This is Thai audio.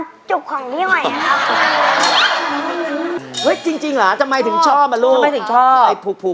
แซคคุณกำลังทำอะไรอยู่